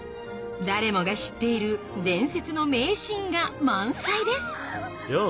誰もが知っている伝説の名シーンが満載ですキャ！